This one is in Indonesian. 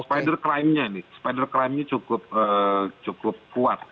spider crime nya ini cukup kuat